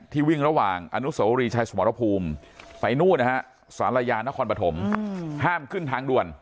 วิ่งระหว่างอนุสวรีชัยสมรภูมิไปนู่นนะฮะสารยานครปฐมห้ามขึ้นทางด่วน